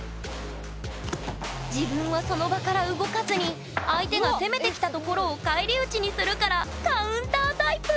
自分はその場から動かずに相手が攻めてきたところを返り討ちにするからカウンタータイプ！